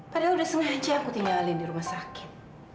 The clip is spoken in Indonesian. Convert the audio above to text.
padahal udah sengaja aku tinggalin di rumah sakit